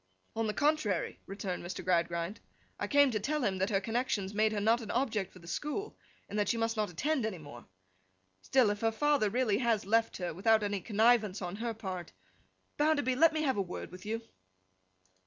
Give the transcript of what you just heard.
'On the contrary,' returned Mr. Gradgrind. 'I came to tell him that her connections made her not an object for the school, and that she must not attend any more. Still, if her father really has left her, without any connivance on her part—Bounderby, let me have a word with you.